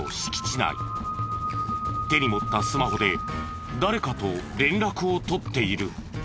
手に持ったスマホで誰かと連絡を取っている。